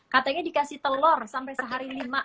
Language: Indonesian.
katanya dikasih telur sampai sehari lima